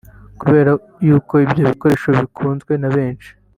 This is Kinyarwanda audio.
Kubera yuko ibyo bikoresho bikunzwe na benshi